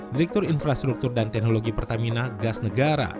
direktur infrastruktur dan teknologi pertamina gas negara